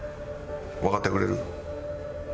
わかってくれる？